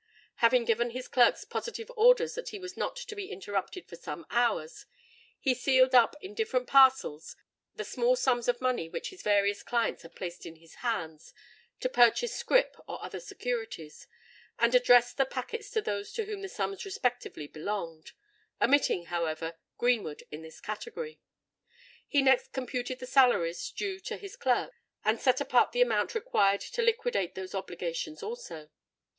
Having given his clerks positive orders that he was not to be interrupted for some hours, he sealed up in different parcels the small sums of money which his various clients had placed in his hands to purchase scrip or other securities, and addressed the packets to those to whom the sums respectively belonged,—omitting, however, Greenwood in this category. He next computed the salaries due to his clerks, and set apart the amount required to liquidate those obligations also.